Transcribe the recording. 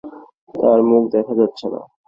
তার মুখ দেখা যাচ্ছে না।